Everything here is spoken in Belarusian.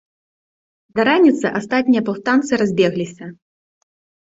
Да раніцы астатнія паўстанцы разбегліся.